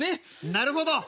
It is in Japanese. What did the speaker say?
「なるほど。